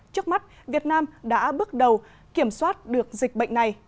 trước mắt việt nam đã bước đầu kiểm soát được dịch bệnh này